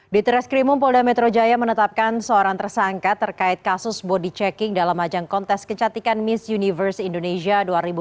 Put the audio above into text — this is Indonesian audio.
di treskrimum polda metro jaya menetapkan seorang tersangka terkait kasus body checking dalam ajang kontes kecantikan miss universe indonesia dua ribu dua puluh